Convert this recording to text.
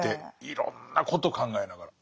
いろんなことを考えながら。